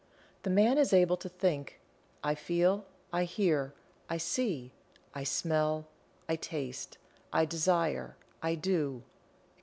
The man is able to think: "I feel; I hear; I see; I smell; I taste; I desire; I do," etc.